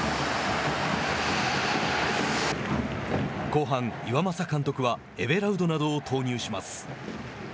後半、岩政監督はエヴェラウドなどを投入します。